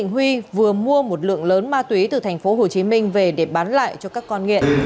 huỳnh vừa mua một lượng lớn ma túy từ tp hcm về để bán lại cho các con nghiện